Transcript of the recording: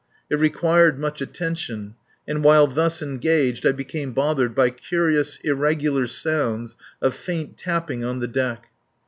It required much attention, and while thus engaged I became bothered by curious, irregular sounds of faint tapping on the deck.